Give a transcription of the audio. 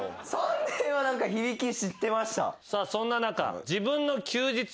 さあそんな中。